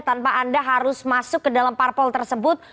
tanpa anda harus masuk ke dalam parpol tersebut